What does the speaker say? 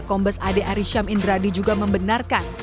kombes ade arisham indradi juga membenarkan